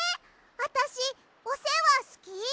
あたしおせわすき？